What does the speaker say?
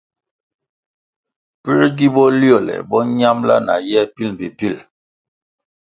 Puē gi boliole bo ñambʼla na ye pil mbpi pil?